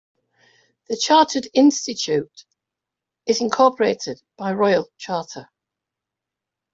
The Chartered Institute is incorporated by Royal Charter.